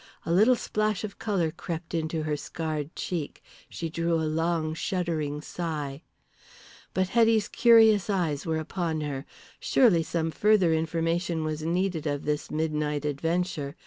A little splash of colour crept into her scarred cheek, she drew a long, shuddering sigh. But Hetty's curious eyes were upon her. Surely some further information was needed of this midnight adventure!